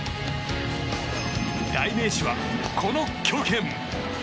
代名詞は、この強肩。